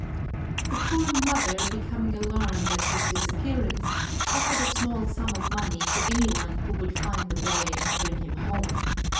The poor mother, becoming alarmed at his dis appearance, offered a small sum of money to any one who would find the boy and bring him home.